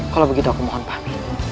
kalau begitu aku mohon pak